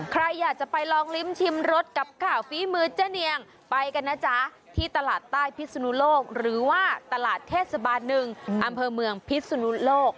ใครอยากจะไปลองลิ้มชิมรสกับข่าวฝีมือเจ๊เนียงไปกันนะจ๊ะที่ตลาดใต้พิศนุโลกหรือว่าตลาดเทศบาลหนึ่งอำเภอเมืองพิศนุโลก